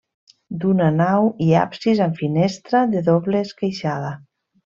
D'una nau i absis amb finestra de doble esqueixada.